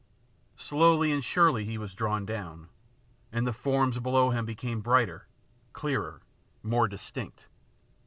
Slowly and surely he was drawn down, and the forms below him became brighter, clearer, more dis tinct.